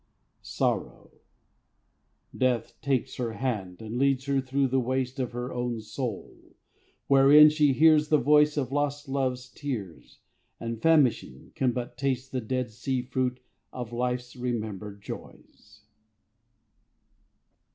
SORROW. Death takes her hand and leads her through the waste Of her own soul, wherein she hears the voice Of lost Love's tears, and, famishing, can but taste The dead sea fruit of Life's remembered joys.